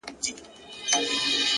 هره ورځ نوی فکر نوی لوری جوړوي،